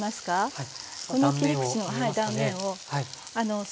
はい。